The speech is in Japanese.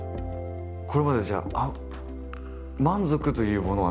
これまでじゃあ満足というものはないですか？